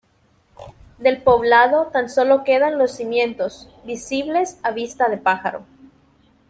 Del poblado tan solo quedan los cimientos, visibles a vista de pájaro.